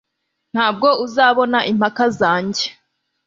ntabwo uzabona impaka zanjye